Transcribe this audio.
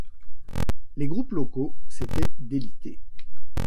Les groupes locaux s'étaient délités.